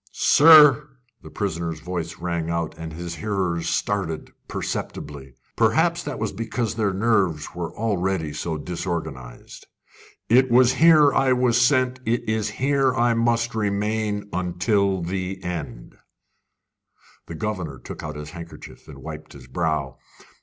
"Sir!" the prisoner's voice rang out, and his hearers started perceptibly. Perhaps that was because their nerves were already so disorganised. "It is here I was sent, it is here I must remain until the end." The governor took out his handkerchief and wiped his brow.